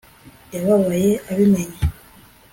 Yababaye abimenye